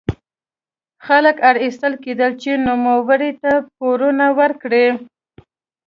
خلک اړ ایستل کېدل چې نوموړي ته پورونه ورکړي.